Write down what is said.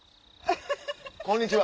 こんにちは。